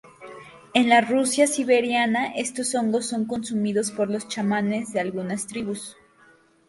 En la Rusia siberiana estos hongos son consumidos por los chamanes de algunas tribus.